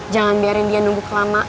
jangan biarin dia nunggu kelamaan